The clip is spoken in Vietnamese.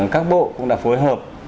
các bộ cũng đã phối hợp